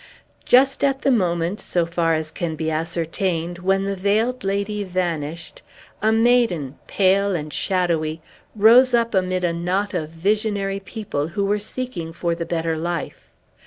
Just at the moment, so far as can be ascertained, when the Veiled Lady vanished, a maiden, pale and shadowy, rose up amid a knot of visionary people, who were seeking for the better life.